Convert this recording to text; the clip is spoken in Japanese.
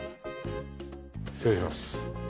失礼します。